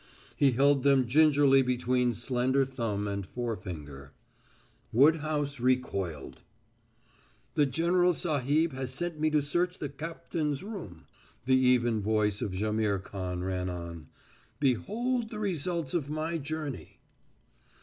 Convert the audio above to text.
He held them gingerly between slender thumb and forefinger. Woodhouse recoiled. "The general sahib has sent me to search the cap tain's room," the even voice of Jaimihr Khan ran on. "Behold the results of my journey!"